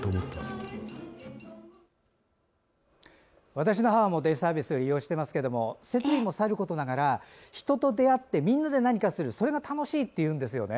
私の母もデイサービスを利用していますけど施設もさることながら人と、出会ってみんなで何かするというのが楽しいと言うんですよね。